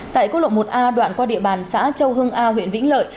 tại quốc lộ một a đoạn qua địa bàn xã châu hưng a huyện vĩnh lợi